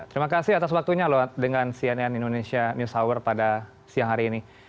terima kasih atas waktunya loh dengan cnn indonesia news hour pada siang hari ini